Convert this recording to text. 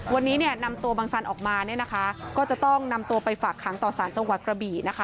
วันนี้เนี่ยนำตัวบังสันออกมาเนี่ยนะคะก็จะต้องนำตัวไปฝากขังต่อสารจังหวัดกระบี่นะคะ